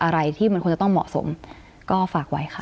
อะไรที่มันควรจะต้องเหมาะสมก็ฝากไว้ค่ะ